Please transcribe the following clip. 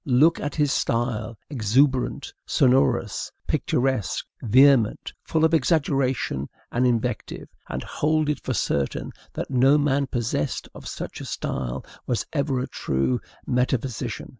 Look at his style, exuberant, sonorous, picturesque, vehement, full of exaggeration and invective, and hold it for certain that no man possessed of such a style was ever a true metaphysician.